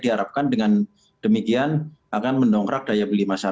diharapkan dengan demikian akan mendongkrak daya beli masyarakat